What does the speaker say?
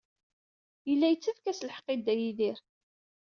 Yella yettakf-as lḥeqq i Dda Yidir.